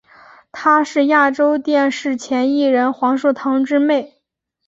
她是亚洲电视前艺人黄树棠之妹。